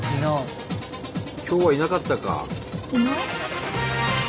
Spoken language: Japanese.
今日はいなかったか。